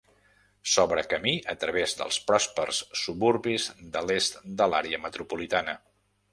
S'obre camí a través dels pròspers suburbis de l'est de l'àrea metropolitana.